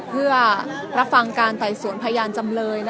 เพื่อรับฟังการไต่สวนพยานจำเลย